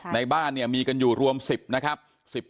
ในบ้านเนี่ยมีกันอยู่รวม๑๐นะครับ